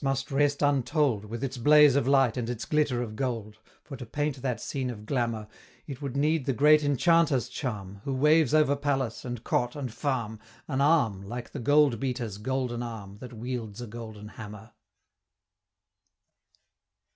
must rest untold, With its blaze of light and its glitter of gold, For to paint that scene of glamour, It would need the Great Enchanter's charm, Who waves over Palace, and Cot, and Farm, An arm like the Goldbeater's Golden Arm That wields a Golden Hammer.